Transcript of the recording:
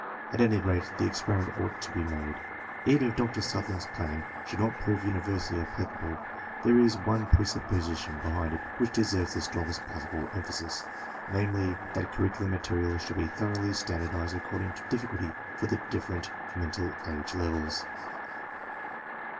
At any rate, the experiment ought to be made. Even if Dr. Suther land's plan should not prove universally applicable, there is one presupposition behind it which deserves the strongest possible em phasis; namely, that curriculum material should be thoroughly stand ardized according to difficulty for the different mental age levels.